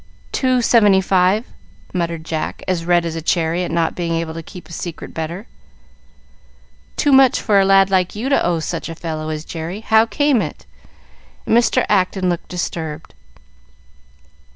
"Two seventy five," muttered Jack, as red as a cherry at not being able to keep a secret better. "Too much for a lad like you to owe such a fellow as Jerry. How came it?" And Mr. Acton looked disturbed.